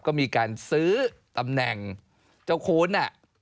ก็มีการซื้อตำแหน่งเจ้าคูณ